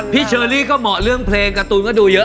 เชอรี่ก็เหมาะเรื่องเพลงการ์ตูนก็ดูเยอะ